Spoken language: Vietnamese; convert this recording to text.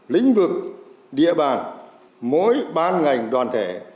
lĩnh vực địa bàn mỗi ban ngành đoàn thể